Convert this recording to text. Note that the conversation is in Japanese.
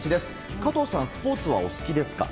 加藤さん、スポーツはお好きですか？